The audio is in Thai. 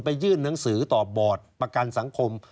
ยื่นหนังสือต่อบอร์ดประกันสังคม